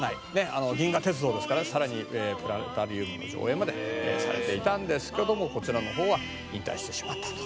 「あの『銀河鉄道』ですからねさらにプラネタリウムの上映までされていたんですけどもこちらの方は引退してしまったと」